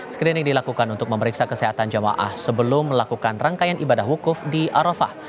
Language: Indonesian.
screening dilakukan untuk memeriksa kesehatan jamaah sebelum melakukan rangkaian ibadah wukuf di arafah